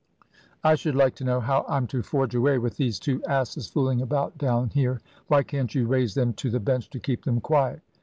"I should like to know how I'm to forge away, with these two asses fooling about down here? Why can't you raise them to the bench to keep them quiet?